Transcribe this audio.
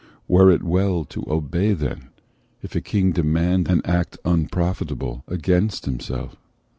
Were it well to obey then, if a king demand An act unprofitable, against himself?